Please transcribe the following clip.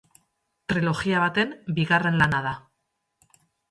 Trilogia baten bigarren lana da.